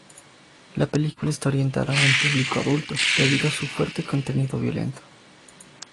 La película está orientada a un público adulto, debido a su fuerte contenido violento.